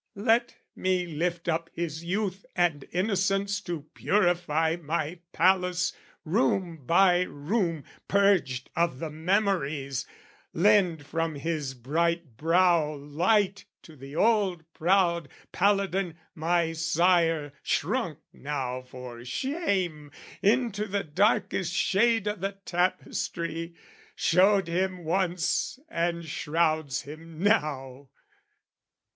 Let me lift up his youth and innocence To purify my palace, room by room Purged of the memories, lend from his bright brow Light to the old proud paladin my sire Shrunk now for shame into the darkest shade O' the tapestry, showed him once and shrouds him now!